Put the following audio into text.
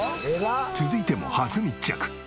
続いても初密着。